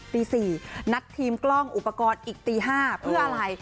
ตี๔นัดทีมกล้องอุปกรณ์อีกตี๕เพื่ออะไร